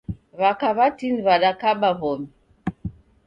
W'aka w'atini w'adakaba w'omi.